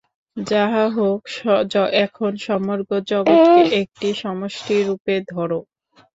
যাহা হউক, এখন সমগ্র জগৎকে একটি সমষ্টিরূপে ধর।